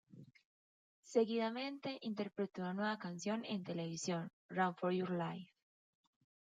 Seguidamente interpretó una nueva canción en televisión, "Run For Your Life".